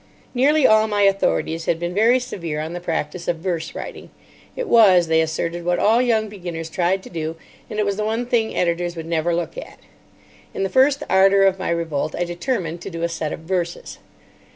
Nearly all my authorities had been very severe on the practice of verse writing. It was, they asserted, what all young beginners tried to do, and it was the one thing editors would never look at. In the first ardour of my revolt I determined to do a set of verses.